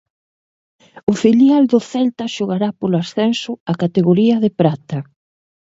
O filial do Celta xogará polo ascenso á categoría de prata.